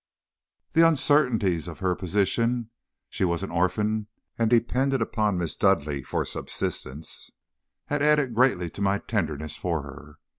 "The uncertainties of her position (she was an orphan and dependent upon Miss Dudleigh for subsistence) had added greatly to my tenderness for her.